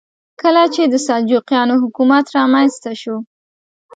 کله چې د سلجوقیانو حکومت رامنځته شو.